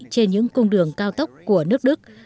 trên những cung đường cao tốc của nước đức